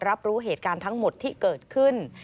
รับรู้เหตุการณ์ทั้งหมดที่เกิดขึ้น